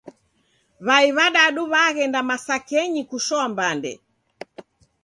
W'ai w'adadu w'aghenda masakenyi kushoa mbande.